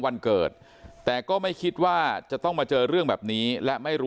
วันเกิดแต่ก็ไม่คิดว่าจะต้องมาเจอเรื่องแบบนี้และไม่รู้